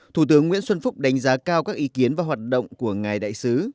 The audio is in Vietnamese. thủ tướng nguyễn xuân phúc đánh giá cao các ý kiến và hoạt động của ngài đại sứ